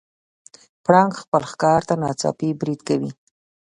پړانګ خپل ښکار ته ناڅاپي برید کوي.